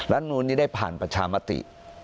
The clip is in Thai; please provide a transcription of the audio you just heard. รัฐมนุนนี้ได้ผ่านประชามติ